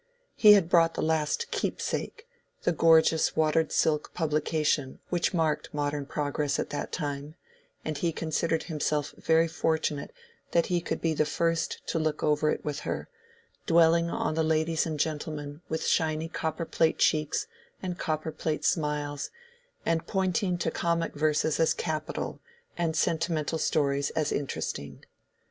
He had brought the last "Keepsake," the gorgeous watered silk publication which marked modern progress at that time; and he considered himself very fortunate that he could be the first to look over it with her, dwelling on the ladies and gentlemen with shiny copper plate cheeks and copper plate smiles, and pointing to comic verses as capital and sentimental stories as interesting.